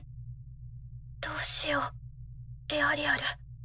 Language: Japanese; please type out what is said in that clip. どうしようエアリアル。